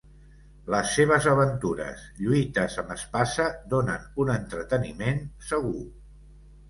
Les seves aventures, lluites amb espasa, donen un entreteniment segur.